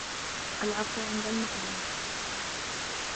العفو عند المقدرة